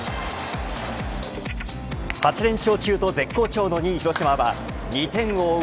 ８連勝中と絶好調の２位広島は２点を追う